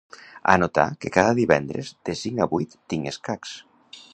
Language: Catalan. Anotar que cada divendres de cinc a vuit tinc escacs.